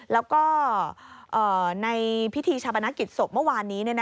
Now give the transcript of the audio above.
แล้วก็ในพิธีชาปนกิจศพเมื่อวานนี้